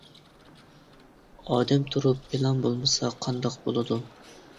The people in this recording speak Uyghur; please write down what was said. ئادەم تۇرۇپ پىلان بولمىسا قانداق بولىدۇ.